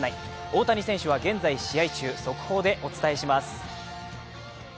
大谷選手は現在試合中、速報でお伝えします。